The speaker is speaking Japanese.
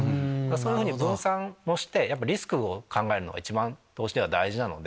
そういうふうに分散をしてリスクを考えるのが一番投資では大事なので。